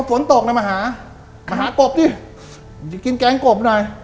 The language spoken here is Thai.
ฝนตกนะมาหามาหากบดิกินแกงกบหน่อย